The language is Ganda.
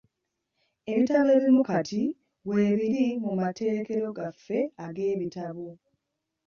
Ebitabo ebimu kati weebiri mu materekero gaffe ag'ebitabo.